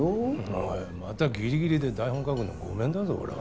おいまたギリギリで台本書くのごめんだぞ俺は。